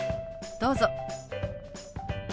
どうぞ。